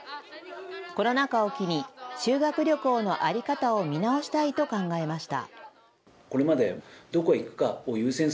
コロナ禍を機に、修学旅行の在り方を見直したいと考えました。